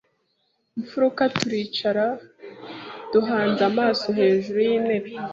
mfuruka turicara duhanze amaso hejuru yintebe